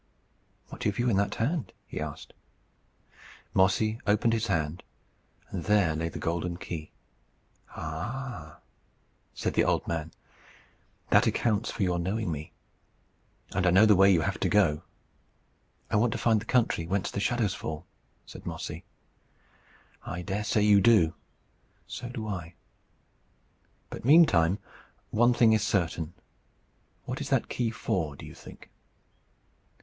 "What have you in that hand?" he asked. Mossy opened his hand, and there lay the golden key. "Ah!" said the old man, "that accounts for your knowing me. And I know the way you have to go." "I want to find the country whence the shadows fall," said Mossy. "I dare say you do. So do I. But meantime, one thing is certain. What is that key for, do you think?"